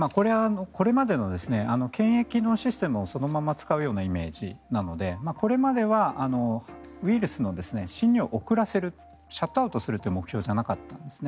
これまでの検疫のシステムをそのまま使うようなイメージなのでこれまではウイルスの侵入を遅らせるシャットアウトするという目標じゃなかったんですね。